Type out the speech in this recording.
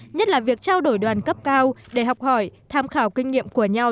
nhất là việc trao đổi đoàn cấp cao để học hỏi tham khảo kinh nghiệm của nhau